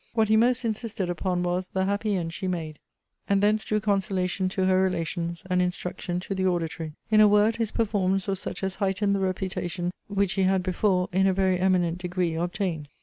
What he most insisted upon was, the happy end she made; and thence drew consolation to her relations, and instruction to the auditory. In a word, his performance was such as heightened the reputation which he had before in a very eminent degree obtained.